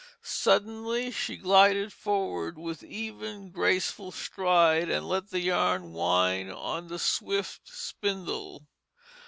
Suddenly she glided forward with even, graceful stride and let the yarn wind on the swift spindle.